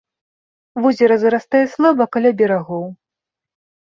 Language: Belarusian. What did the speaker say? Возера зарастае слаба каля берагоў.